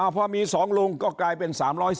พอมี๒ลุงก็กลายเป็น๓๔